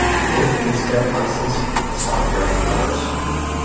It instead licensed the software to others.